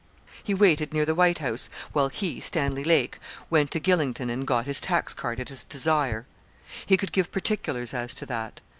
He waited near the 'White House,' while he, Stanley Lake, went to Gylingden and got his tax cart at his desire. He could give particulars as to that.